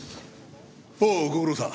おおご苦労さん。